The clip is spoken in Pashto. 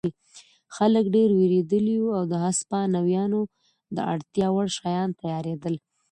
خلک ډېر وېرېدلي وو او د هسپانویانو د اړتیا وړ شیان تیارېدل.